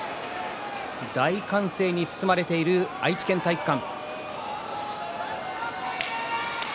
大歓声に包まれている愛知県体育館。